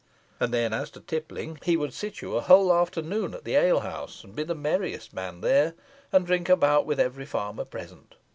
And then, as to tippling, he would sit you a whole afternoon at the alehouse, and be the merriest man there, and drink a bout with every farmer present.